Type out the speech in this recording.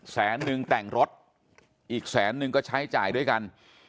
แสนนึงแต่งรถอีกแสนนึงก็ใช้จ่ายด้วยกัน